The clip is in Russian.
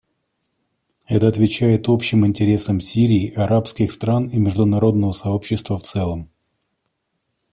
Это отвечает общим интересам Сирии, арабских стран и международного сообщества в целом.